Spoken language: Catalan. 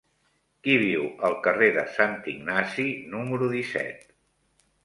Qui viu al carrer de Sant Ignasi número disset?